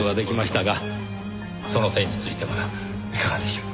その点についてはいかがでしょう？